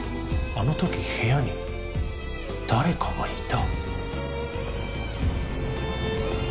あのとき部屋に誰かがいた